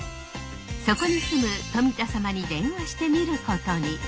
そこに住む富田サマに電話してみることに。